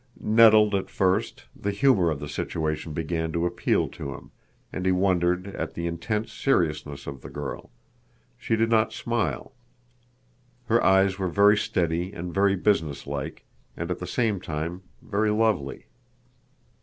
Nettled at first, the humor of the situation began to appeal to him, and he wondered at the intense seriousness of the girl. She did not smile. Her eyes were very steady and very businesslike, and at the same time very lovely.